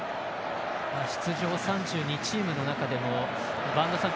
出場３２チームの中でも播戸さん